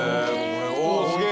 おおすげえ！